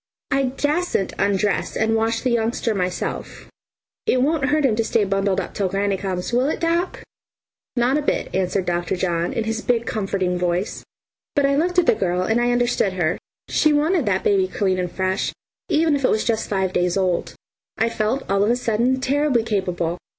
I dasn't undress and wash the youngster myself. It won't hurt him to stay bundled up until granny comes, will it, doc?" "Not a bit," answered Dr. John in his big comforting voice. But I looked at the girl, and I understood her. She wanted that baby clean and fresh, even if it was just five days old, and I felt all of a sudden terribly capable.